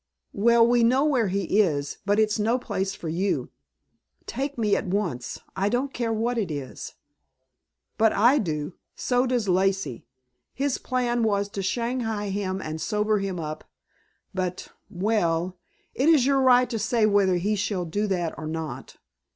"Well, we know where he is. But it's no place for you." "Take me at once. I don't care what it is." "But I do. So does Lacey. His plan was to shanghai him and sober him up. But well it is your right to say whether he shall do that or not.